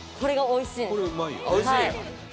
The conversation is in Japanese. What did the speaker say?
おいしい？